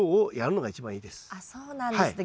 あっそうなんですね。